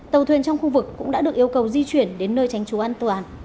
tàu thuyền trong khu vực cũng đã được yêu cầu di chuyển đến nơi tránh trú an toàn